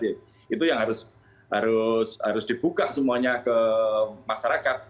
itu yang harus dibuka semuanya ke masyarakat